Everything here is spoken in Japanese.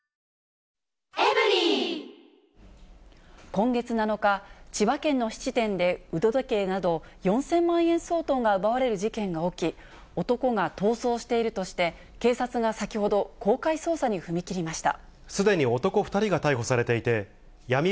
今月７日、千葉県の質店で腕時計など４０００万円相当が奪われる事件が起き、男が逃走しているとして、警察が先ほど、公開捜査に踏み切りました。